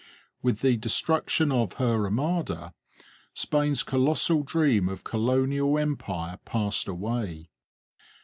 With the destruction of her Armada Spain's colossal dream of colonial empire passed away.